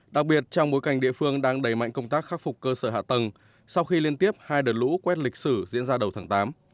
đặc biệt trong bối cảnh địa phương đang đẩy mạnh công tác khắc phục cơ sở hạ tầng sau khi liên tiếp hai đợt lũ quét lịch sử diễn ra đầu tháng tám